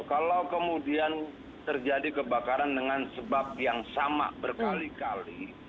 kalau kemudian terjadi kebakaran dengan sebab yang sama berkali kali